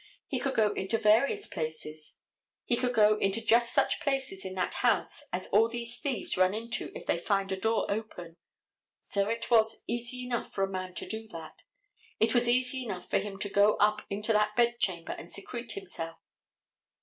He could go into various places. He could go into just such places in that house as all these thieves run into if they can find a door open. So it was easy enough for a man to do that. It was easy enough for him to go up into that bed chamber and secrete himself.